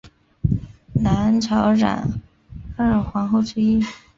南朝梁二王后之一。